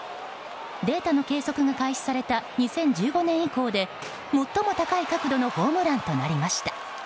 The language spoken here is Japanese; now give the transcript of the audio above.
データの計測が開始された２０１５年以降で最も高い角度のホームランとなりました。